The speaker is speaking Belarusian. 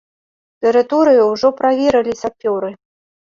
Тэрыторыю ўжо праверылі сапёры.